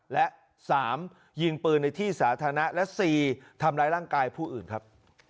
และ๓ยิงปืนในที่สาธารณะและ๔ทำร้ายร่างกายผู้อื่นครับ